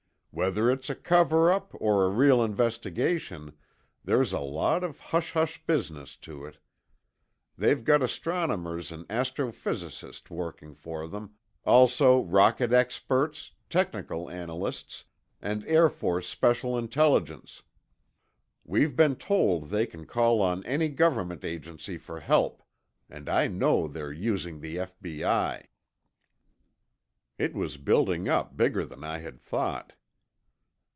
"Whether it's a cover up or a real investigation, there's a lot of hush hush business to it. They've got astronomers and astrophysicists working for them, also rocket expects, technical analysts, and Air Force Special Intelligence. We've been told they can call on any government agency for help—and I know they're using the F.B.I." It was building up bigger than I had thought.